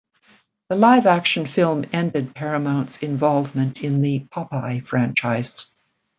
The live-action film ended Paramount's involvement in the "Popeye" franchise.